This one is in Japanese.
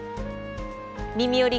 「みみより！